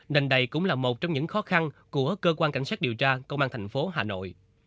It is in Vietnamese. nên đây cũng là một trong những khó khăn của cơ quan cảnh sát điều tra công an thành phố hà nội